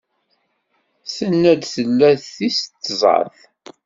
Tenna-d tella d tis tẓat.